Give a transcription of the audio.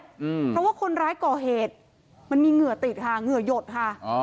เพราะว่าคนร้ายก่อเหตุมันมีเหงื่อติดค่ะเหงื่อหยดค่ะอ๋อ